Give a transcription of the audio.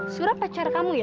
surah pacar kamu ya